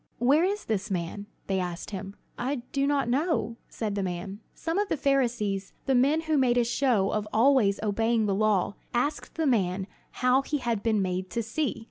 "Where is this man?" they asked him. "I do not know," said the man. Some of the Pharisees, the men who made a show of always obeying the law, asked the man how he had been made to see.